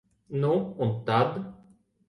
Nu un tad?